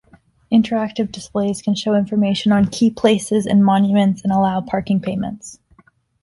Interactive displays can show information on key places and monuments and allow parking payments.